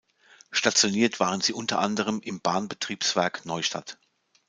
Stationiert waren sie unter anderem im Bahnbetriebswerk Neustadt.